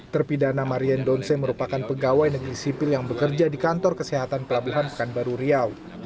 terpidana marian donce merupakan pegawai negeri sipil yang bekerja di kantor kesehatan pelabuhan pekanbaru riau